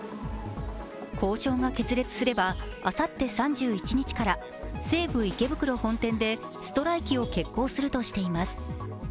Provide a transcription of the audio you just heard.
交渉が決裂すれば、あさって３１日から西武池袋本店でストライキを決行するとしています。